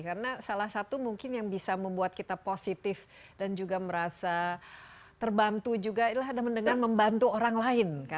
karena salah satu mungkin yang bisa membuat kita positif dan juga merasa terbantu juga adalah dengan membantu orang lain